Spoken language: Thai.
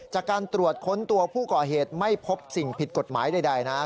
จากการตรวจค้นตัวผู้ก่อเหตุไม่พบสิ่งผิดกฎหมายใดนะครับ